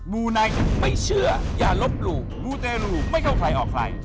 มูไนท์ไม่เชื่ออย่าลบหลู่มูเตรูไม่เข้าใครออกใคร